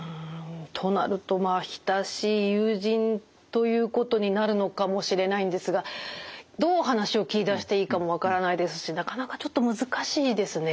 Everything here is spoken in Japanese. となると親しい友人ということになるのかもしれないんですがどう話を切り出していいかも分からないですしなかなかちょっと難しいですね。